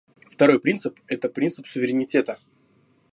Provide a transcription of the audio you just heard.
Второй принцип — это принцип суверенитета.